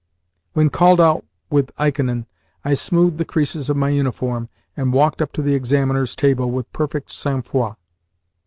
When called out with Ikonin, I smoothed the creases in my uniform, and walked up to the examiner's table with perfect sang froid.